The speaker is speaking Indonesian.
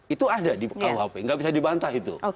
itu ada di kuhp nggak bisa dibantah itu